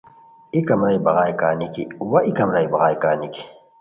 ای کمرائی بغائے کا نیکی واکمرائی بغائے کا نیکی